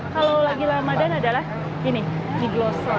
kalau lagi ramadan adalah ini mie glosor